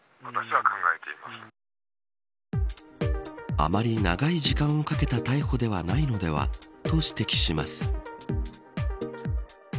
あまり長い時間をかけた逮捕ではないのではと指摘します。